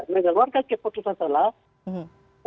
mengeluarkan keputusan salah